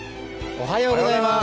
おはようございます。